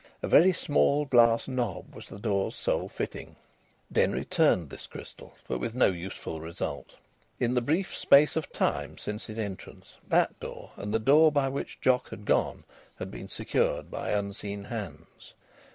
A very small glass knob was the door's sole fitting. Denry turned this crystal, but with no useful result. In the brief space of time since his entrance, that door, and the door by which Jock had gone, had been secured by unseen hands.